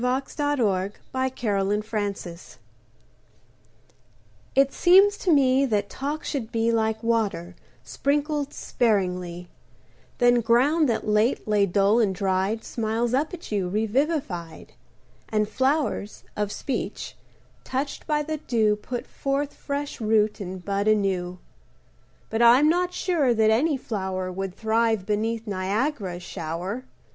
[Pg 1307] TALK BY JOHN PAUL It seems to me that talk should be, Like water, sprinkled sparingly; Then ground that late lay dull and dried Smiles up at you revivified, And flowers—of speech—touched by the dew Put forth fresh root and bud anew. But I'm not sure that any flower Would thrive beneath Niagara's shower!